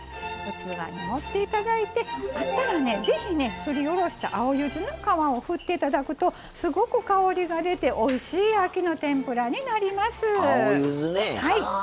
器に盛っていただいてあったらぜひ、すり下ろした青ゆずの皮を振っていただくとすごく香りが出ておいしい秋の天ぷらになります。